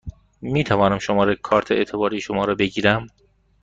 می توانم شماره کارت اعتباری شما را بگیرم؟